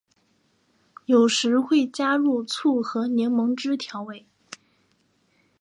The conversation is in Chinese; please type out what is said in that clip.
有时会加入醋或柠檬汁调味。